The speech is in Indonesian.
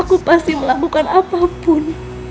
aku pasti melakukan apapun